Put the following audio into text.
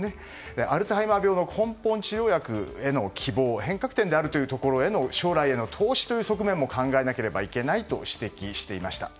アルツハイマー病の根本治療薬への希望変革点であるというところでの将来の投資という側面も考えていけないという指摘もしていました。